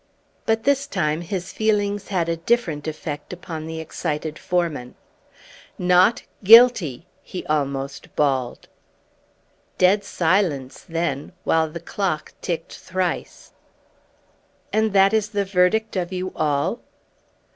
But this time his feelings had a different effect upon the excited foreman. "Not guilty!" he almost bawled. Dead silence then, while the clock ticked thrice. "And that is the verdict of you all?"